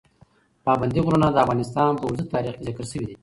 پابندی غرونه د افغانستان په اوږده تاریخ کې ذکر شوی دی.